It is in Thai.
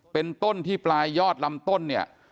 เป็นต้นที่ปลายยอดลำต้นเนี่ย